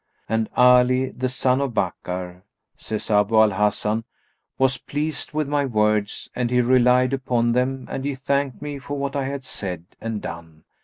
"And Ali the son of Bakkar" (says Abu al Hasan) "was pleased with my words and he relied upon them and he thanked me for what I had said and done.